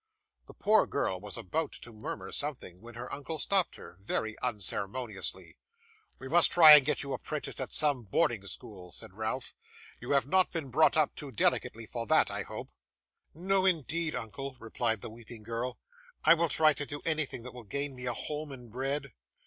The poor girl was about to murmur something, when her uncle stopped her, very unceremoniously. 'We must try and get you apprenticed at some boarding school,' said Ralph. 'You have not been brought up too delicately for that, I hope?' 'No, indeed, uncle,' replied the weeping girl. 'I will try to do anything that will gain me a home and bread.